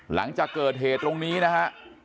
หลังจากเกิดเหตุตรงนี้นะฮะ